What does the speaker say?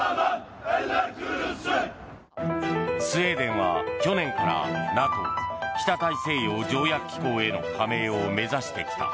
スウェーデンは去年からＮＡＴＯ・北大西洋条約機構への加盟を目指してきた。